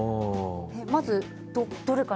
まず、どれから？